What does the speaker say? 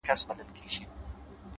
• له سهاره تر ماښامه ګرځېدل وه ,